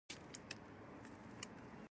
هغه په موسکا وويل ګوره چې بيا غلط شوې.